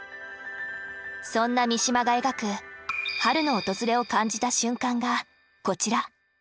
そんな三島が描く春の訪れを感じた瞬間がこちら。